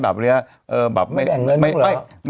อืม